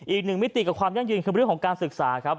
อีกหนึ่งมิติกับความยั่งยืนคือเรื่องของการศึกษาครับ